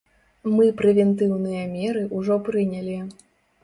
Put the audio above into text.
Мы прэвентыўныя меры ўжо прынялі.